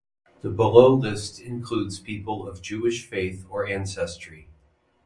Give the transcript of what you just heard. The below list includes people of Jewish faith or ancestry.